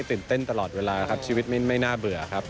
ตื่นเต้นตลอดเวลาครับชีวิตไม่น่าเบื่อครับ